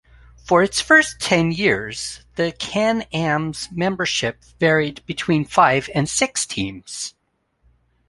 For its first ten years the Can-Am's membership varied between five and six teams.